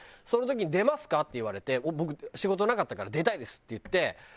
その時に「出ますか？」って言われて僕仕事なかったから「出たいです」って言って。